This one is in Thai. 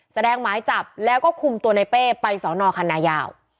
แสดงไม้จับแล้วก็คุมตัวนายเป้ไปสคันยาว